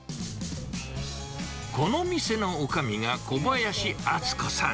この店のおかみが小林温子さん。